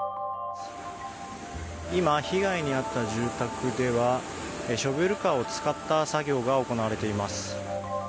今、被害に遭った住宅ではショベルカーを使った作業が行われています。